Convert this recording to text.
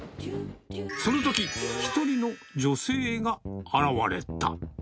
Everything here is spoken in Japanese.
そのとき、１人の女性が現れた。